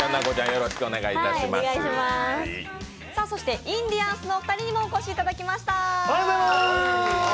そしてインディアンスのお二人にもお越しいただきました。